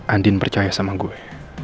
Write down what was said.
andien percaya sama gue